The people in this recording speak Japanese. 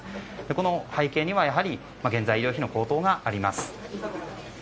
この背景にはやはり原材料費の高騰があります。